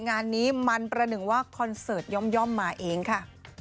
งานนี้มันประหนึ่งว่าคอนเสิร์ตย่อมมาเองค่ะ